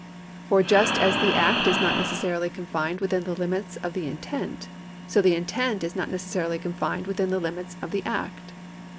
For just as the act is not necessarily confined within the limits of the intent, so the intent is not necessarily confined within the limits of the act.